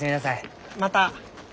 また！